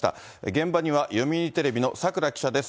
現場には読売テレビの櫻記者です。